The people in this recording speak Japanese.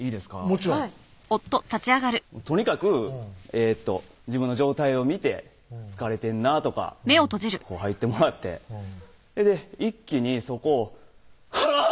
もちろんとにかく自分の状態を見て疲れてんなとか入ってもらって一気にそこをハァー！